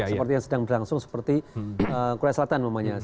seperti yang sedang berlangsung seperti kulai selatan namanya